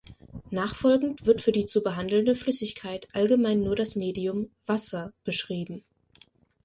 Nachfolgend wird für die zu behandelnde Flüssigkeit allgemein nur das Medium "Wasser" beschrieben.